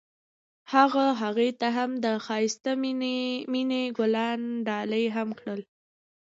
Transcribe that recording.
هغه هغې ته د ښایسته مینه ګلان ډالۍ هم کړل.